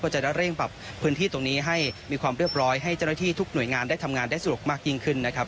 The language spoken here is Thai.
จะได้เร่งปรับพื้นที่ตรงนี้ให้มีความเรียบร้อยให้เจ้าหน้าที่ทุกหน่วยงานได้ทำงานได้สะดวกมากยิ่งขึ้นนะครับ